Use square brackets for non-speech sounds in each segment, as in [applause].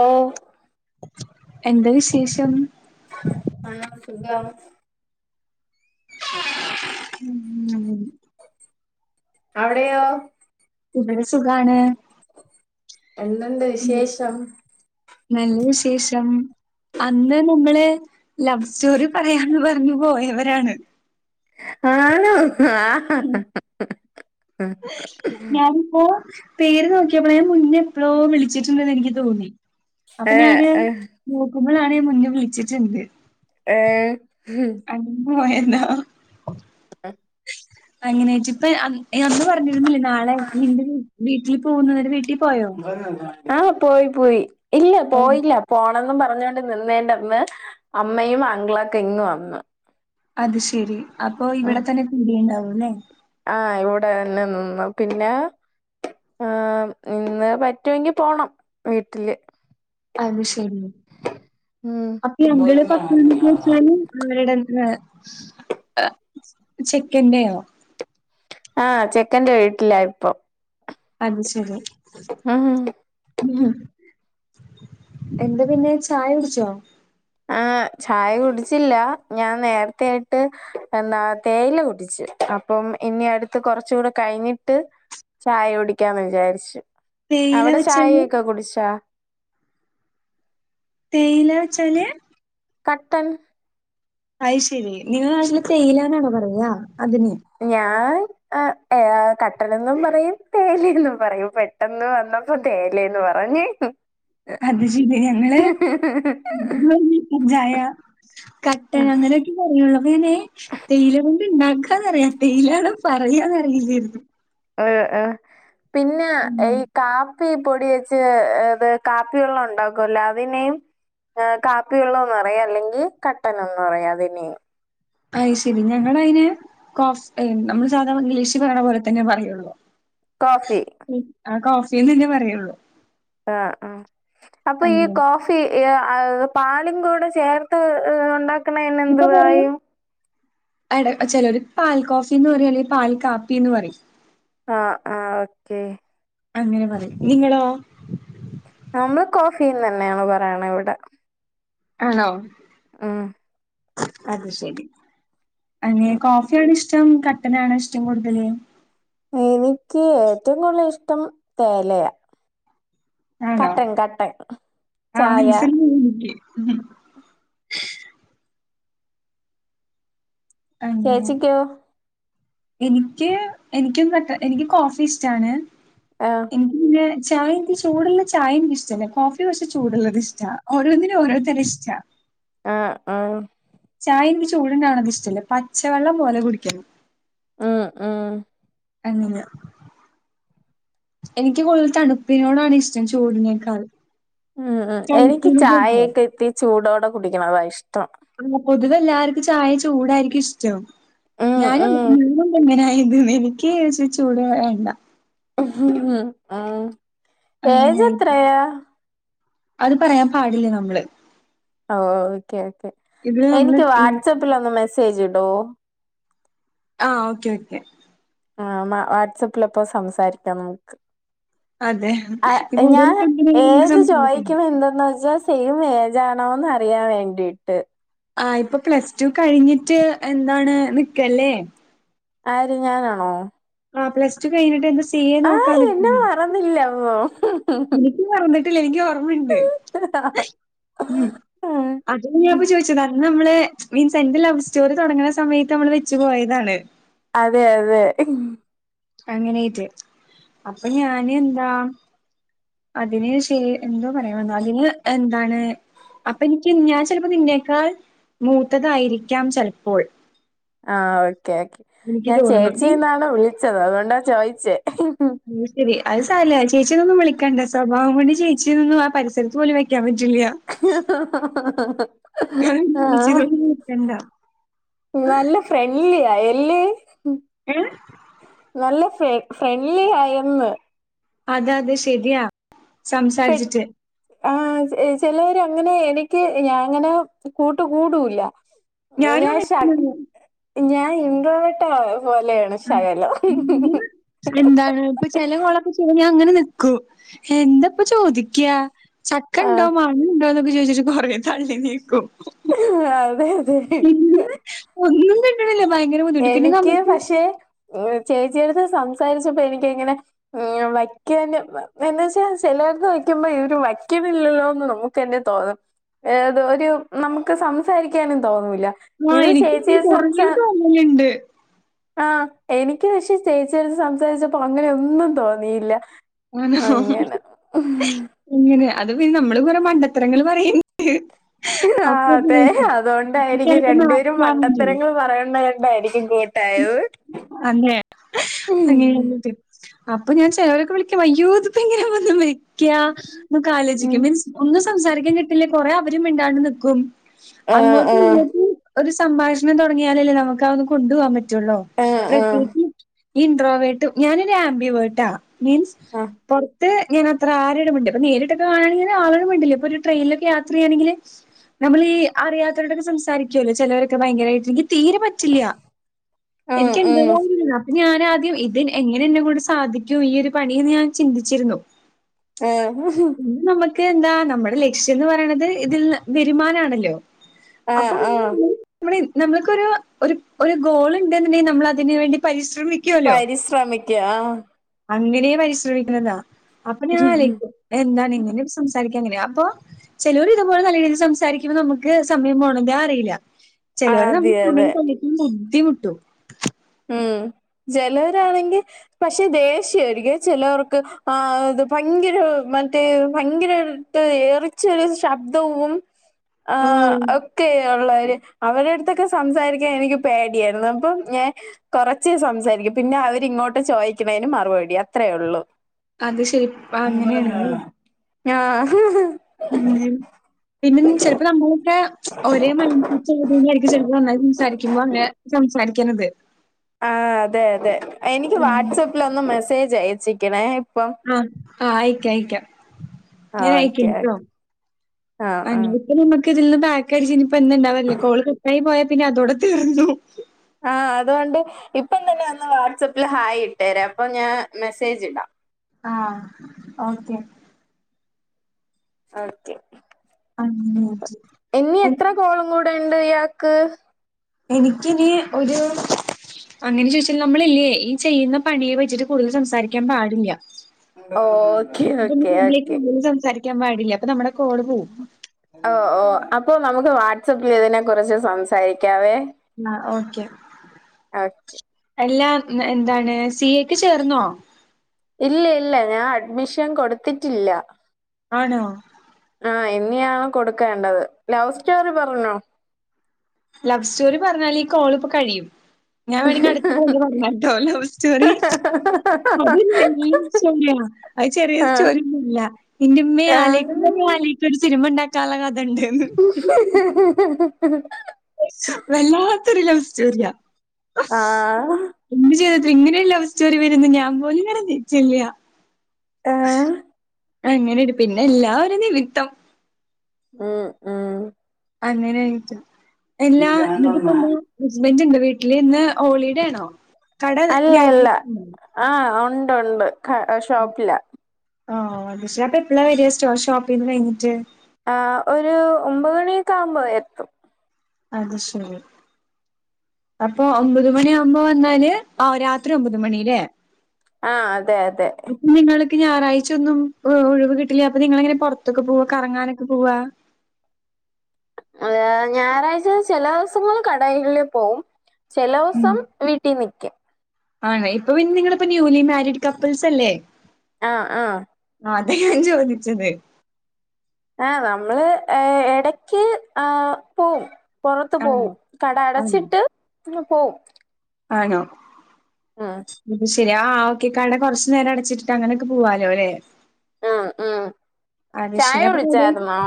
ഓഹ് എന്താ വിശേഷം? നല്ലാണ്, സുഖാണ്. [inaudible] അവിടെയോ? ഉവടെ സുഖാണ്. എന്ത്ണ്ട് ഉം വിശേഷം? നല്ല ശേഷം. അന്ന് നിങ്ങള് ലവ് സ്റ്റോറി പറയാന്ന് പറഞ്ഞു പോയവരാണ്. ആണോ ആ [unintelligible] ഞാനിപ്പോ പേര് നോക്കിയപ്പഴേ മുന്നേ എപ്പോഴോ വിളിച്ചിട്ടുണ്ടെന്ന് എനിക്ക് തോന്നി. ഏ അപ്പം ഞാന് ഏ നോക്കുമ്പളാണ് മുന്ന് വിളിച്ചിട്ടുണ്ട്. ഏഹ് ഹ് അങ്ങ് പോയെര്ന്നോ? [unintelligible] അങ്ങനെച്ചിപ്പ് അൻ ഏ അന്ന് പറഞ്ഞിരുന്നില്ലെ നാളെ നിന്റെ വീ വീട്ടില് പോവുന്ന കാര്യം വീട്ടിൽ പോയോ? ആഹ്, പോയി പോയി. ഇല്ല, ഓ, പോയില്ല. പോണെന്നും പറഞ്ഞോണ്ട് നിന്നേന്റന്ന് അമ്മയും അങ്കിളൊക്കെ ഇങ്ങ് വന്നു. അത് ശെരി. അപ്പൊ ഇവിടെ തന്നെ കൂടീണ്ടാവുല്ലേ. ആഹ്, ഇവിടെ എന്നെ നിന്നു പിന്നെ ആഹ്, ഇന്ന് പറ്റുങ്കി പോണം വീട്ടില്. അത് ശരി, ഉം അപ്പീ അങ്കിള് പത്ത് മണിക്കീച്ചാല് അവരുടെന്നെ ഏഹ്, ചെക്കെന്റെയോ? ആഹ്, ചെക്കന്റെ വീട്ടില ഇപ്പം അത് ശെരി [unintelligible] [unintelligible] എന്താ പിന്നെ ചായുട്ച്ചോ ആഹ്, ചായ കുടിച്ചില്ല. ഞാൻ നേരത്തെ ആയിട്ട് എന്താ തേയില കുടിച്ച്. അപ്പം ഇഞ്ഞ് അടുത്ത് കൊറച്ചൂടെ കഴിഞ്ഞിട്ട് ചായ കുടിക്കാന്ന് വിചാരിച്ച്, തേയില അവിടെ വെച്ചാല് ചായയൊക്കെ കുടിച്ചാ? തേയിലാ ച്ചാല്? കട്ടൻ അയ്ശെരി, നിങ്ങള നാട്ടില് തേയിലാന്നാണോ പറയാ അതിന് ഞാൻ അ ഏഹ് കട്ടനെന്നും പറയും തേയിലെന്നും പറയും. പെട്ടെന്ന് വന്നു. പ്പ തേയിലേന്ന് പറഞ് [unintelligible] അത് ഷിബി. ഞങ്ങള് [unintelligible] ചായ ആ കട്ടനങ്ങനെ [unintelligible] പറയുള്ളൂ അപ്പ ങ്ങനെ തേയില കൊണ്ട് ണ്ടാക്കാന്നറിയാ തേയിലാണ് പറയാന്ന്റിയില്ലേരുന്നു അഹ് ഏഹ് പിന്ന ഉം എയ് കാപ്പി പൊടി വെച്ച് ത് കാപ്പി വെള്ളോണ്ടാക്കോല്ലാ അതിനേയും ആഹ് കാപ്പിവെള്ളംന്ന് പറയ അല്ലെങ്കി കട്ടനെന്ന് പറയാ അതിനേം അയ്ശെരി ഞങ്ങളയിന് കോഫ്സ്പെയിൻ നമ്മള് സാധാ ഇംഗ്ലീഷിൽ പറയണ പോലെ തന്നെ പറയുള്ളൂ കോഫി ഉം ആഹ് കോഫ്സീന്നല്ലെ പറയൊള്ളൂ ആഹ് ആഹ് അപ്പൊ ഈ അങ്ങനെ. കോഫ് ഫി ഏ അഹ് പാലും കൂടെ ചേർത്ത് ഉണ്ടാക്കണേന് എന്ത് പറയും അട ചേലോൽ പാൽ കോഫിന്ന് പറയും അല്ലെങ്കിൽ പാൽ കാപ്പിന്ന് പറയും ആഹ് ആഹ് ഓക്കേ അങ്ങനെ പറയും നിങ്ങളോ നമ്മള് കോഫീന്നെന്നേണ് പറയണ ഇവടെ ആണോ ആഹ് അത് ശരി അങ്ങ് കോഫിയാണ് ഇഷ്ടം കട്ടനാണോ ഇഷ്ടം കൂടുതല് എനിക്ക് ഏറ്റോം കൂടുതൽ ഇഷ്ടം തേലയാ ആണോ ആഹ് ചായ മൻസിൽ [unintelligible] അങ്ങനെ ചേച്ചിക്ക്യോ എനിക്ക് എനിക്കും കട്ടൻ എനിക്ക് കോഫി ഷ്ടാണ് ആഹ് എനിക്ക് പിന്നെ ചായ എനിക്ക് ചൂടുള്ള ചായ എനിക്ക് ഇഷ്ടല്ല കോഫി കൊറച് ചൂടുള്ളത് ഇഷ്ടാ ഓരോന്നിനും ഓരോ തരം ഇഷ്ടാ ആഹ് ആഹ് ചായ എനിക്ക് ചൂടുണ്ടാവണത് ഇഷ്ടല്ല പച്ചവെള്ളം പോലെ കുടിക്കണം ആഹ് ആഹ് അങ്ങനാ എനിക്ക് കൂടുതൽ തണുപ്പിനോടാണ് ഇഷ്ടം ചൂടിനേക്കാൾ ഉം ഉം എനിക്ക് തണുപ്പിനോടല്ല. ചായയൊക്കെ ഇത്തി ചൂടോടെ കുടിക്കണം അതാ ഇഷ്ടം ആഹ് പൊതുവെ എല്ലാര്ക്കും ചായ ചൂടായിരിക്കും ഇഷ്ടം ഉം ഞാനു ഉം [unintelligible] ഇങ്ങനായത് ന് എനിക്ക് ച് ചൂട് വേണ്ടാ ങ്ഹ് ഹ് ആഹ് അങ്ങനായിത് അത് പറയാൻ പാടില്ല നമ്മള് ഓ ഓക്കേ ഓക്കേ ഇതില് നമ്മള് എനിക്ക് ഉം വാട്സാപ്പിൽ ഒന്ന് മെസ്സേജ് ഇടുവോ ആഹ് ഓക്കെ ഓക്കെ ആഹ് ന്നാ വാട്സാപ്പിലപ്പം സംസാരിക്കാം നമുക്ക് അതെ. ഇപ്പൊ ആഹ് കൂടുതൽ ഞാൻ കമ്പനിയായി നമുക്ക് ഏജ് സംസാരിക്കാം. ചോയിക്കണെന്തെന്ന് വെച്ചാ സെയിം ഏജാണോന്നറിയാൻ വേണ്ടീട്ട് ആഹ് ഇപ്പൊ പ്ലസ് ടു കഴിഞ്ഞിട്ട് എന്താണ് നിക്കല്ലേ ആര് ഞാനാണോ ആഹ് പ്ലസ് ടു കഴിഞ്ഞിട്ട് എന്ത് സി എ നോക്കാൻ നിക്ക്ന്ന് ഇല്ല പോ എനിക്ക് മറന്നിട്ടില്ല എനിക്ക് ഓർമ്മണ്ട് ഉം ഉം അതും ഞാപ്പൊ ചോയിച്ചതാ അന്നമ്മളെ മീൻസ് എന്റെ ലവ് സ്റ്റോറി തൊടങ്ങണ സമയത്തമ്മള് വെച്ചു പോയതാണ് അതെ അതെ അങ്ങനായിപ്പൊയ് അപ്പൊ ഞാന് എന്താ അതിന് ശെ എന്തോ പറയാൻ വന്ന് അതിന് എന്താണ് അപ്പൊ എനിക്ക് ഞാൻ ചിലപ്പോ നിന്നേക്കാൾ മൂത്തതായിരിക്കാം ചെലപ്പോൾ. ആഹ് ഓക്കേ ഓക്കേ എനിക്ക് ഞാൻ തോന്നുന്നു നീ ചേച്ചിന്നാണ് വിളിച്ചത് അതുകൊണ്ടാ ചോയിച്ചേ? അത് സാരല്ല ചേച്ചിന്ന് ഒന്നുവിളിക്കണ്ട സ്വഭാവം കൊണ്ട് ചേച്ചി നൊന്നുംആ പരിസരത്ത് പോലും വെക്കാൻ പറ്റില്ല. [unintelligible] താൻ ചേച്ചി ആഹ് ഒന്നു വിളിക്കണ്ട. ഫ്രണ്ട്ലിആയി അല്ലേ? ഏഹ് നല്ല ഫ ഫ്രണ്ട്ലി ആയന്ന് അത് അത് ശരിയാ സംസാരിച്ചിട്ട്. ആ ഹ് ചിലര് അങ്ങനെ എനിക്ക് ഞാൻ അങ്ങനെ കൂട്ട് കൂടൂല്ല. ഇനിയാൻ ഞാനും ശട്ട് ഞാൻ ഇൻട്രോവെട്ട് പോലെയാ ശകലം ഞാന് എന്താണ് ഇപ്പൊ ചെല കോളൊക്കെ ചെയ്താൽ ഞാൻ ങ്ങനെ നിൽക്കും. എന്താ ഇപ്പംചോദിക്ക? ച കണ്ടോ ആഹ് മാങ്ങണ്ടോന്നൊക്കെ ചോദിച്ച് കൊറേതള്ളി നീക്കും. അതെ അതെ പിന്നെ ഒന്നും കിട്ടണില്ല ഭയങ്കര ബു എനിക്ക് പക്ഷെ ചേച്ചിയെടുത്ത് സംസാരിച്ചപ്പോ എനിക്ക് ഇങ്ങനെ ഉം വയ്ക്കൻ എന്ന് വെച്ചാ ചെലരുടെ എടുത്ത് വെയ്ക്കുമ്പോ ഇവരു വയ്ക്കണില്ലല്ലോന്ന് നമ്മു തന്നെ തോന്നും ഏത് ഒരു നമ്മുക്ക് സംസാരിക്കാനും തോന്നുല്ല. ഇത് ചേച്ചിയുടെ സംസാ കുഞ്ഞുണ്ട്. ആഹ് എനിക്ക് പക്ഷേ ചേച്ചി എടുത്ത് സംസാരിച്ചപ്പോ അങ്ങനെ ഒന്നും തോന്നിയില്ല. അങ്ങനെ ഇങ്ങനെ അത് പിന്നെ നമ്മള് കൊറെ മണ്ടത്തരങ്ങൾ പറയേനി ആഹ് അതെ അതൊണ്ടായിരിക്കും ചെലപ്പോ രണ്ടുപേരും നാട്ടിലാണെങ്കില് മണ്ടത്തരങ്ങൾ പറയുന്നകൊണ്ടായിരിക്കും. [unintelligible] അതെ അങ്ങനെയൊന്നു ചിന്തി അപ്പൊ ഞാൻ ചൊലരൊക്കെ വിളിക്കു അയ്യോ ഇതിപ്പോ എങ്ങനെ വ ക്യ ഉം ആലോചിക്കും മീൻസ് ഒന്നും സംസാരിക്കാൻ കിട്ടില്ല കൊറെേ അവരും മിണ്ടാണ്ട് നിക്കും ആഹ് അങ്ങോട്ടും ആഹ് ഇങ്ങോട്ടും ഒരു സംഭാഷണം തുടങ്ങിയാലല്ലേ നമുക്ക് അത് കൊണ്ടുപോകാൻ പറ്റു റ്റൊള്ളു ആഹ് ആഹ് പ്രത്യേകിച്ച് ഇൻഡ്രോ വേട്ട ഞാനൊരു ആംബി വേട്ടാ മീൻസ് ആഹ് പൊ റത്ത് ഞാൻ അത്ര ആരോട് മിണ്ട് അപ്പ നേരിട്ടൊക്ക കാണണങ്കിൽ ആളൊണ്ട് മിണ്ടില്ല ഇപ്പൊ ഒരുട്രയിനിലൊക്കെ യാത്ര ചെയ്യണെങ്കില് നമ്മൾ ഈ അറിയാത്തവരടൊക്കെ സംസാരിക്കൊല്ലോ ചെലോരൊക്കെ ഭയങ്കരമായിട്ട് ഇൻക്ക് തീരെ പറ്റില്ല ആഹ് എനിക്ക് എത്നൊ ആഹ് ഒര് ഇതാ ഞാനാദ്യം ഇത് എങ്ങനെ എന്നെ കൊണ്ട് സാധിക്കും ഈ ഒരു പണിന്ന് ഞാൻ ചിന്തിച്ചിരുന്നു ആഹ് ഇ നമുക്ക് എന്താ നമ്മുടെ ലക്ഷ്യം എന്ന് പറയണത് ഇതിൽ വെരുമാനമാണല്ലോ ആഹ് അപ്പൊൾ ആഹ് നമ്മ നമ്മക്കൊരു ഒരു ഗോളുണ്ട്ന്ന്ണ്ടെകി നമ്മൾ അതിന് വേണ്ടി പരിശ്രമിക്കും പരിശ്രമിക്കാ ആഹ് അങ്ങനെയ പരിശ്രമിക്കുന്നതാ അപ്പൊ ഞാൻ ആലേക്കും എന്താണ് ഇങ്ങനെ സംസാരിക്കാം അങ്ങനെയാ അപ്പൊ ചെലോർ ഇതുപോലെ നല്ല രീതിൽ സംസാരിക്കുമ്പോ നമുക്ക് സമയം പോണത് അറിയില്ല ചെലർ അതെ നമ്മക്ക് സമയം അതെ തന്നിക്കും ബുദ്ധിമുട്ടു ഉം ചെലരാണെങ്കിൽ പക്ഷെ ദേഷ്യായിരിക്ക ചെലോർക്ക് ആ ഇത് ഭയങ്കര മറ്റേ ഭയങ്കര ഏറിച്ചൊരു ശബ്ദവും ആ ഓ ഹ്ഒക്കെ ഉള്ളവര് അവരുടുത്തൊ തൊക്കെ സംസാരിക്കാൻ എനിക്ക് പേടിയായിരുന്നു അപ്പം ഞാൻ കൊറച്ചെ സംസാരിക്കും പിന്നെ അവരിങ്ങോട്ട് ചോയിക്കാനേന് മറുപടി അത്രയേ ഒള്ളു അത് ശരി പ്പ അങ്ങനെയാണല്ലേ ആഹ് ആഹ് പിന്നെ ചെിലപ്പോ നമ്മളൊക്കെ ഒരേ മൈൻ ഒന്നിച്ചെഴുതുമ്പോ ചെലപ്പോ നന്നായി സംസാരിക്കുമ്പോ അങ്ങനെ സംസാരിക്കണത് ആഹ് അതെ അതെ എനിക്ക് ഉം. വാട്സആപ്പിൽ ഒന്ന് മെസ്സേജ് അയച്ചക്കണേ ആഹ് ആഹ് അയക്ക അയക്കാം ആഹ് ഞനെ ഓക്കെ അയക്കിട്ടോ ഓക്കെ ആഹ് ആഹ് പി നമുക്ക് ഇതിൽന്ന് പാക്ക് അടച്ച് ഇനിപ്പ ഇന്ന ഉണ്ടാവല്ലേ കോൾ കട്ടായി പോയാ പിന്നെ അതോടെ തീർന്നു ആഹ് അതൊണ്ട് ഇപ്പം തന്നെ അന്ന് വാട്്സപ്പിൽ ഹായ ഇട്ടേരാ അപ്പൊ ഞാൻ മെസ്സേജ് ഇടാം ആഹ് ഓക്കെ ഒക്കെ അങ്ങനെ. ഇനി എത്ര കോളും കൂടെ ഉണ്ട് ഇയാക്ക് എനിക്കിനി ഒരു അങ്ങനെ ചോദിച്ചാൽ നമ്മള ഇല്ലേ ഈ ചെയ്യുന്ന പണിയെ വെച്ചിട്ട് കൂടുതൽ സംസാരിക്കാൻ പാടില്ല ഓക്കെ അത ഓക്കെ ഇേക്ക് ഓക്കെ കടുലും സംസാരിക്കാൻ പാടില്ല അപ്പൊ നമ്മുടെ കോൾ പോവും [unintelligible] ഓ ഓ അപ്പൊ നമുക്ക് വാട്സപ്പിൽ ഇതിനെ കുറിച്ച് സംസാരിക്കാവേ ആഹ് ഓക്കെ ഓക്കെ എല്ലാം എന്താണ് സി എക്ക് ചേർന്നോ ഇല്ല ഇല്ല ഞാൻ അഡ്മിഷൻ കൊടുത്തിട്ടില്ല ആണോ ആ ഹ് ഇനിയാണ് കൊടുക്കേണ്ടത് ലവ് സ്റ്റോറി പറഞ്ഞോ ലവ് സ്റ്റോറി പറഞ്ഞാ ഈ കോളിപ്പോ കഴിയും ഞാൻ വേണമെങ്കിൽ അടുത്ത കോളിൽ പറഞ്ഞോ പറഞ്ഞട്ടോ ലവ് സ്റ്റോറി അതില്ല ഞാൻ ചോരി അത് ചെറിയ ആഹ് ചോലിയൊന്നല്ല എന്റെറമ്മ ആഹ് ആലക്കും ആലക്ക ഒരു സിനിമ ഉണ്ടാക്കാനുള്ള കഥ ഉണ്ട്ന്ന് ഹ ഹ വല്ലാത്തൊരു ലവ് സ്റ്റോറിയ ആഹ് എന്ത് ചെയ്തട്ട ഇങ്ങനെയ ഒരു ലവ് സ്റ്റോറി വരന്ന് ഞാൻ പോലുംകരുതി ച്ചല്ല ഏഹ് അങ്ങനെണ്ട് പിന്നെ എല്ലാഒരു നിമിത്തം ഉം ഉം അങ്ങനെയിട്ട് എല്ലാ ന്ന്ട്ട്പ്പൊ എന്തെ ഹസ്ബൻഡ്ൺണ്ടൊ വീട്ട്ല് ഇന്ന് ഹോളിടെണോ അല്ല അല്ല ആഹ് ഉണ്ട് ഉണ്ട് ക ഷോപ്പില ആഹ് അത് ശരി അപ്പ എപ്പോളാ വരിക സ്റ്റോ ഷോപ്പിൽന്ന് കഴിഞ്ഞിട്ട് ആഹ് ഒരു ഒമ്പത് മണീകാവുമ്പോ എത്തും അത് ശരി അപ്പൊ ഒമ്പത് മണിയ ആകുമ്പോ വന്നാല് ആഹ് രാത്രി ഒമ്പത് മണില്ലേ ആഹ് അതെ അതെ നിങ്ങൾക്ക് ഞാറാഴ്ച ഒന്നും ഒഴിവ് കിട്ടില്ല അപ്പൊ നിങ്ങളെഎങ്ങനെ പൊറത്തൊക്കെ പോവാ കറങ്ങാനൊക്കെ പോവാ ആ ഞായറാഴ്ച ചേലോസങ്ങൾ കടയി ൽ പോവും ചേലോസം വീട്ടി നിക്കും ആണ്ലെ ഇപ്പൊ പിന്നെ നിങ്ങള്പ്പ ന്യൂലി മാരീഡ് കപ്പ്ൾസ് അല്ലേ ആഹ് ആഹ് അതെ ഞാൻ ചോദിച്ചത് ആഹ് നമ്മള് ഏ എടക്ക് ആഹ് പോവും പൊറത്ത് പോവും ആണോ കട ആണോ അടച്ചിട്ട് പോവും ആണോ ആഹ് ട്ടിലെ ആഹ് ആഹ് ഓക്കെ കട കൊറച് നേരം അടച്ചിട്ടിട്ട് അങ്ങനൊക്കെ പോവാലോ ല്ലേ അഹ് ആഹ് ചായ കുടിച്ചാരുന്നോ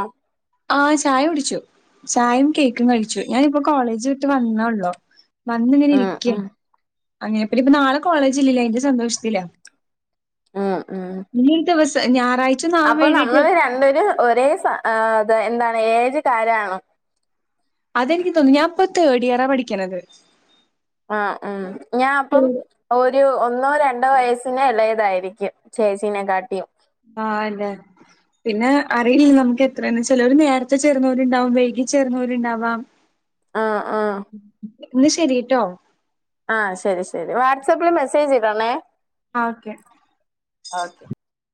ആഹ് ചായ കുടിച്ചു ചായിം കേക്കും കഴിച്ചു ഞാനിപ്പോ കോളേജ് വിട്ട് വന്നേള്ളു വന്നിങ്ങനെ ആഹ് ഇരിക്ക ആഹ് അങ്ങനെ ഇപ്പൊ നാളെ കോളേജ് ഇല്ലല്ലോ അതിന്റെ സന്തോഷത്തില ഉം ഉം മൂന്ന് ദിവസം ഞാറാഴ് അപ്പൊ നമ്മള് രണ്ടൊര് ഒരേ സ അത് എന്താണ് ഏജ് കാരാണൊ അതെനിക്ക് തോന്നി ഞാപ്പ തേർഡ് ഇയറാ പഠിക്ക്ണത് ആഹ് ഉം ഞാഅപ്പം,, ഒരു ഒന്നോ രണ്ടോ വയസ്സിന് എളെതായിരിക്കും ചേച്ചീനെ കാട്ടിം ആഹ് അല്ലേ പിന്നെ അറിയില്ലല്ലോ നമുക്ക് എത്രന്ന് ചെലോര് നേര്ത്തെ ചേർന്നോരുണ്ടാവും വൈകി ചേർന്നോരുണ്ടാവാം [inaudible] ആഹ് ആഹ് ഇന്ന് ശെരിട്ടോ ആ ശരി ശരി വാട്സപ്പിൽ മെസ്സേജ് ഇടണേ ആ ഓക്കെ ഓക്കെ